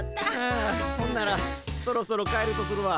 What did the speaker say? あほんならそろそろ帰るとするわ。